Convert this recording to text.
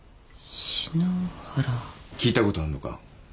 聞いたことあんのか？